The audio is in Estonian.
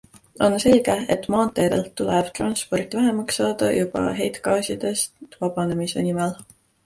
On selge, et maanteedelt tuleb transporti vähemaks saada juba heitgaasidest vabanemise nimel.